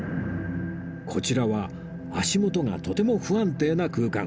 こちらは足元がとても不安定な空間